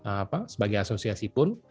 apa sebagai asosiasi pun